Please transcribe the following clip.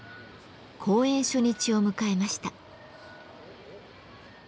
公演初日を迎えました。